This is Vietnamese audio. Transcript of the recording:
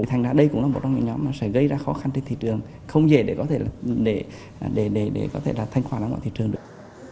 thành ra đây cũng là một trong những nhóm mà sẽ gây ra khó khăn trên thị trường không dễ để có thể là thanh khoản ở ngoài thị trường được